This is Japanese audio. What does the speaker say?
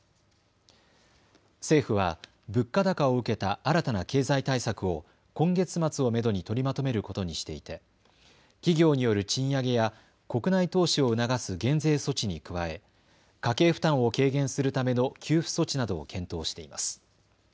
政府は物価高を受けた新たな経済対策を今月末をめどに取りまとめることにしていて企業による賃上げや国内投資を促す減税措置に加え家計負担を軽減するための給付措置などを検討しています。